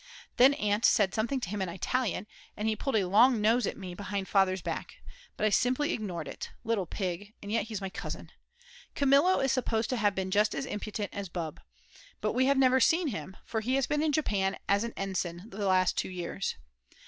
Then Aunt said something to him in Italian, and he pulled a long nose at me behind Father's back, but I simply ignored it; little pig, and yet he's my cousin! Kamillo is supposed to have been just as impudent as Bub. But we have never seen him, for he has been in Japan as an ensign for the last two years.